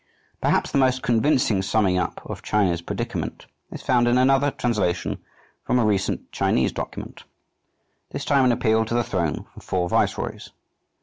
Perhaps the most convincing summing up of China's predicament is found in another translation from a recent Chinese document, this time an appeal to the throne from four viceroys.